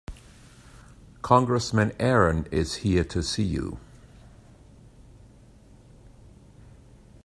Congressman Aaron is here to see you.